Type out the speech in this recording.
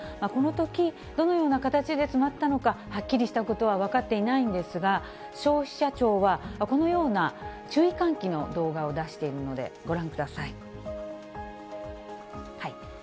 このとき、どのような形で詰まったのか、はっきりしたことは分かっていないんですが、消費者庁は、このような注意喚起の動画を出しているので、ご覧ください。